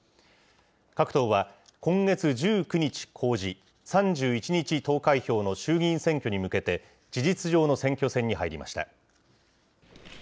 各党は、今月１９日公示、３１日投開票の衆議院選挙に向けて、事実上の選挙戦に入りました。